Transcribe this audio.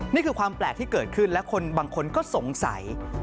นี่คือความแปลกที่เกิดขึ้นและคนบางคนก็สงสัย